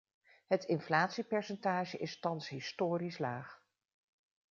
Het inflatiepercentage is thans historisch laag.